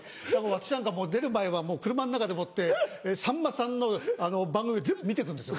私なんか出る前はもう車の中でもってさんまさんの番組を全部見て行くんですよ。